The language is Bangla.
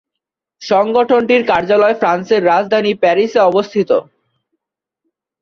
সংগঠনটির কার্যালয় ফ্রান্সের রাজধানী প্যারিসে অবস্থিত।